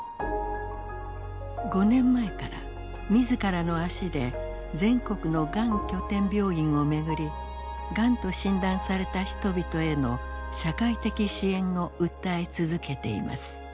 ５年前から自らの足で全国のがん拠点病院を巡りがんと診断された人々への社会的支援を訴え続けています。